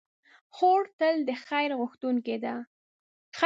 خور تل د خیر غوښتونکې ده.